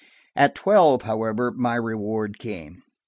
At twelve, however, my reward came.